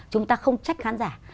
chúng ta không trách khán giả